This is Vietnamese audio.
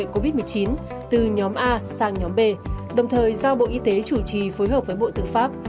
covid một mươi chín từ nhóm a sang nhóm b đồng thời giao bộ y tế chủ trì phối hợp với bộ tư pháp